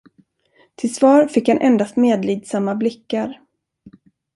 Till svar fick han endast medlidsamma blickar.